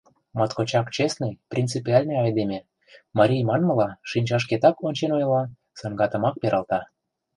Моткочак честный, принципиальный айдеме, марий манмыла, шинчашкетак ончен ойла, саҥгатымак пералта.